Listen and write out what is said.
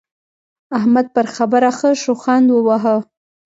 احمد پر خبره ښه شخوند وواهه.